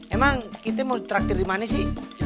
emang kita mau traktir dimana sih